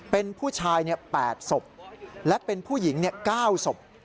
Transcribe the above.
เป็นผู้ชาย๘ศพและเป็นผู้หญิง๙ศพ